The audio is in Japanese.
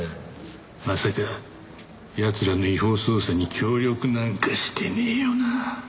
まさか奴らの違法捜査に協力なんかしてねえよな？